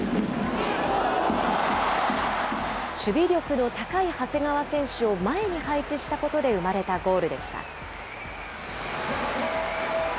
守備力の高い長谷川選手を前に配置したことで生まれたゴールでした。